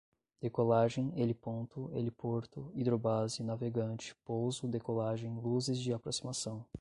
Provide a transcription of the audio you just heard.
decolagem, heliponto, heliporto, hidrobase, navegante, pouso, decolagem, luzes de aproximação